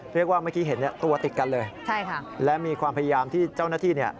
เรียกว่าเมื่อกี้เห็นตัวติดกันเลยและมีความพยายามที่เจ้าหน้าที่เนี่ย